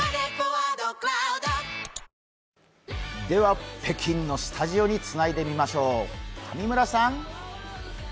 では、北京のスタジオにつないでみましょう。